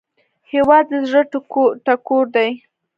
هیواد د زړه ټکور دی